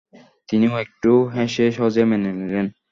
তিনিও একটু হেসে সহজেই মেনে নিলেন।